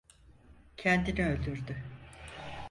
Kendini öldürdü.